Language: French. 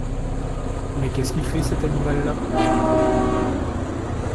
Mais qu’est-ce qu’il fait, cet animal-là ?